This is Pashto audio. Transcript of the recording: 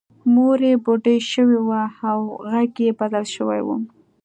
مور یې بوډۍ شوې وه او غږ یې بدل شوی و